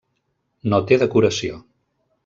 No té decoració.